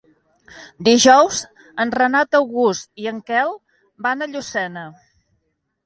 Dijous en Renat August i en Quel van a Llucena.